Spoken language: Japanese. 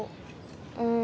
うん。